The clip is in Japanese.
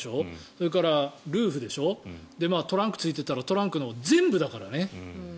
それからルーフでしょトランクがついていたらトランクも、全部だからね。